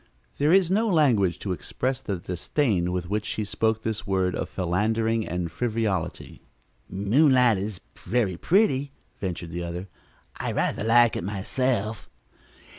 There is no language to express the disdain with which she spoke this word of philandering and frivolity. "Moonlight is very pretty," ventured the other. "I rather like it myself."